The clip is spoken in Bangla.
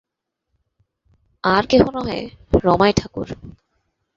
আর কেহ নহে, রমাই ঠাকুর!